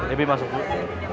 ibi masuk dulu